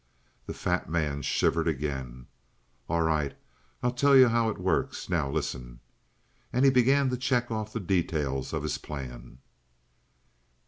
The fat man shivered again. "All right. I'll tell you how it works. Now, listen!" And he began to check off the details of his plan.